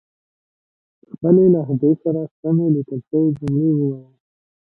خپلې لهجې سره سمې ليکل شوې جملې وايئ